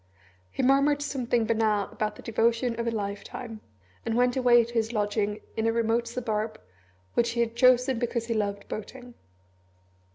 He murmured something banal about the devotion of a lifetime, and went away to his lodging in a remote suburb, which he had chosen because he loved boating.